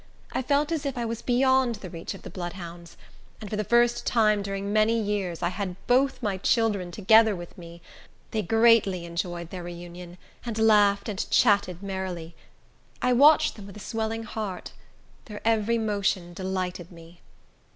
I felt as if I was beyond the reach of the bloodhounds; and, for the first time during many years, I had both my children together with me. They greatly enjoyed their reunion, and laughed and chatted merrily. I watched them with a swelling heart. Their every motion delighted me.